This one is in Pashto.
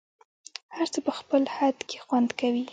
هر څه په خپل خد کي خوند کوي